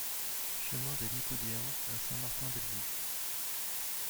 Chemin des Nicodeins à Saint-Martin-Bellevue